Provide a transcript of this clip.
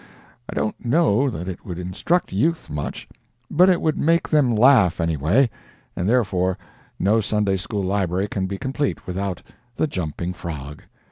I don't know that it would instruct youth much, but it would make them laugh anyway, and therefore no Sunday School Library can be complete without the "Jumping Frog."